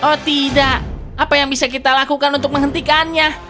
oh tidak apa yang bisa kita lakukan untuk menghentikannya